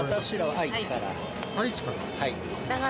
愛知から？